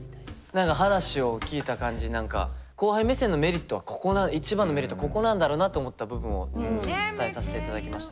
何か話を聞いた感じ何か後輩目線のメリットはここ一番のメリットはここなんだろうなと思った部分を伝えさせていただきましたね。